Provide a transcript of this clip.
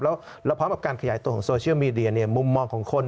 แล้วพร้อมกับการขยายตัวของโซเชียลมีเดียเนี่ยมุมมองของคน